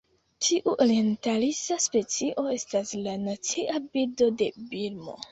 Tiu orientalisa specio estas la nacia birdo de Birmo.